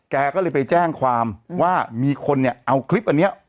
แกก็เลยไปแจ้งความว่ามีคนเนี่ยเอาคลิปอันนี้